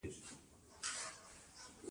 د پښتنو ځوانان بروتونه پریږدي.